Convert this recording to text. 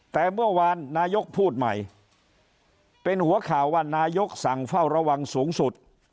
แต่เมื่อวานนายกพูดใหม่เป็นหัวข่าวว่านายกสั่งเฝ้าระวังสูงสุด